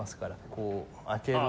こう開けると。